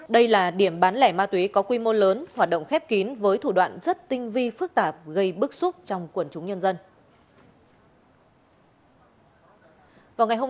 đây là điểm bán lẻ ma túy có quy mô lớn hoạt động khép kín với thủ đoạn rất tinh vi phức tạp gây bức xúc trong quần chúng nhân dân